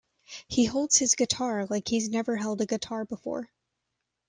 He holds his guitar like he's never held a guitar before.